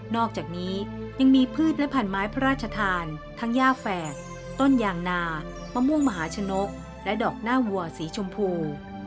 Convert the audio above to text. อกจากนี้ยังมีพืชและพันไม้พระราชทานทั้งย่าแฝดต้นยางนามะม่วงมหาชนกและดอกหน้าวัวสีชมพู